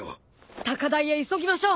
高台へ急ぎましょう。